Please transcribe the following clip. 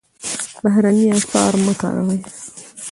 بهرني اسعار مه کاروئ.